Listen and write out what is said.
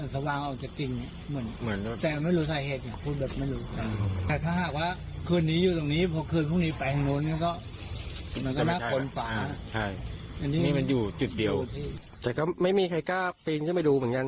เหมือนหิ่งห้อยไหมคะ